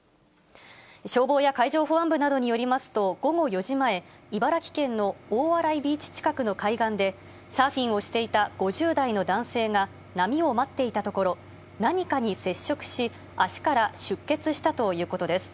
消防や海上保安部などによりますと、午後４時前、茨城県の大洗ビーチ近くの海岸で、サーフィンをしていた５０代の男性が波を待っていたところ、何かに接触し、足から出血したということです。